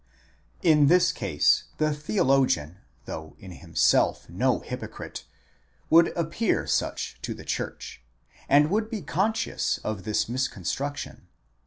In this case, the theologian, though in himself no hypocrite, would appear such to the church, and would be conscious of this misconstruction.